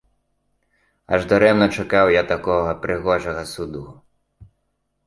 Аж дарэмна чакаў я такога прыгожага суду.